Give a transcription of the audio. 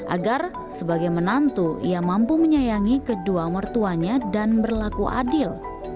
agar sebagai menantu ia mampu menyayangi kedua mertuanya dan berlaku adil